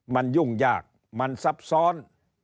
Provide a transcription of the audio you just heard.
มันยุ่งยากมันซับซ้อน